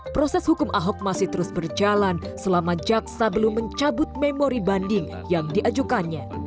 proses hukum ahok masih terus berjalan selama jaksa belum mencabut memori banding yang diajukannya